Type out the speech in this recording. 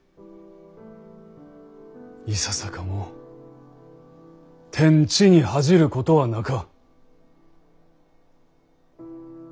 いささかも天地に愧じることはなか。